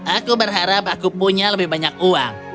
aku berharap aku punya lebih banyak uang